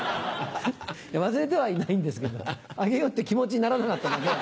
忘れてはいないんですけどあげようって気持ちにならなかっただけだから。